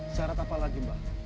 syarat apa lagi mbak